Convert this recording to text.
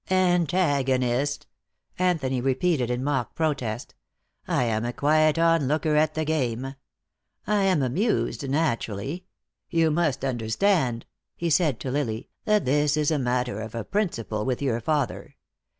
"Antagonist!" Anthony repeated in mock protest. "I am a quiet onlooker at the game. I am amused, naturally. You must understand," he said to Lily, "that this is a matter of a principle with your father.